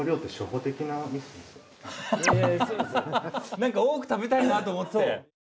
何か多く食べたいなと思って。